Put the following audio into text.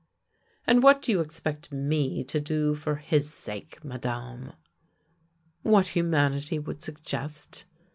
" And what do you expect me to do for his sake, Madame?" " What humanity would suggest.